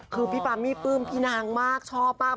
คือพี่ปามี่ปลื้มพี่นางมากชอบมาก